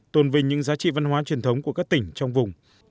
tồn vinh những giá trị văn hóa truyền thống của các tỉnh trong vùng